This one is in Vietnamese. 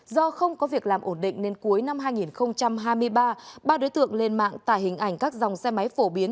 do không có việc làm ổn định nên cuối năm hai nghìn hai mươi ba ba đối tượng lên mạng tải hình ảnh các dòng xe máy phổ biến